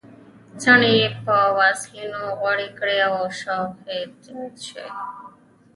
څڼې یې په واسلینو غوړې کړې او شوق یې زیات شوی.